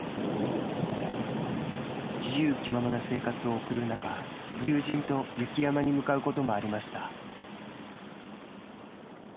自由気ままな生活を送る中友人と雪山に向かうこともありました。